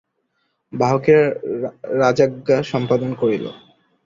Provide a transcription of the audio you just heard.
বাহকেরা রাজাজ্ঞা সম্পাদন করিল।